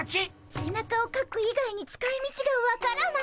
背中をかく以外に使いみちが分からない。